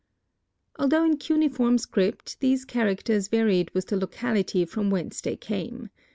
Although in cuneiform script, these characters varied with the locality from whence they came.